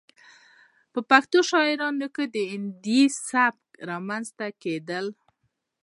،په پښتو شاعرۍ کې د هندي سبک رامنځته کېدل